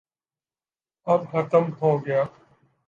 اب ختم ہوگیا۔